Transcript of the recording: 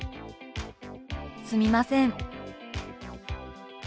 「すみません」。